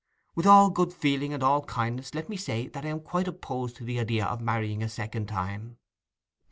With all good feeling and all kindness, let me say that I am quite opposed to the idea of marrying a second time.